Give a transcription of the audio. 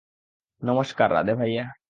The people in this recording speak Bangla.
নমস্কার, রাধে ভাইয়া!